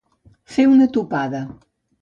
Fer una topada.